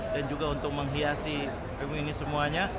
dan juga untuk menghiasi ini semuanya